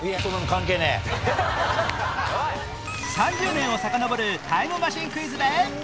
３０年をさかのぼるタイムマシンクイズで